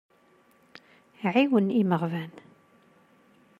Ɛiwen imeɣban.